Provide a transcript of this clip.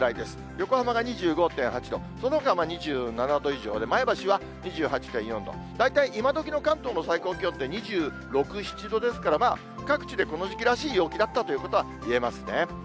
横浜が２５．８度、そのほかは２７度以上で、前橋は２８．４度、大体今どきの関東の最高気温って２６、７度ですから、各地でこの時期らしい陽気だったということはいえますね。